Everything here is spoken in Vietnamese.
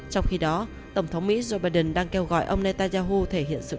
trong khi đó tổng thống mỹ joe biden đang kêu gọi ông netanyahu thể hiện sự